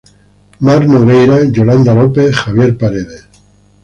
Mar Nogueira, Yolanda López, Xavier Paredes.